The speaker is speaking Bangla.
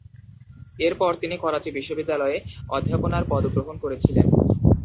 এর পরে তিনি করাচি বিশ্ববিদ্যালয়ে অধ্যাপনার পদ গ্রহণ করেছিলেন।